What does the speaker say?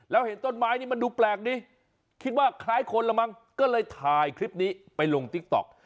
แล้วเห็นต้นไม้นี่มันดูแปลกดีคิดว่าคล้ายคนละมั้งก็เลยถ่ายคลิปนี้ไปลงติ๊กต๊อก